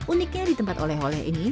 uniknya di tempat oleh oleh ini